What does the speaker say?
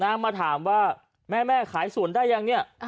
มาถามว่าแม่ขายสวนได้ยังเนี่ย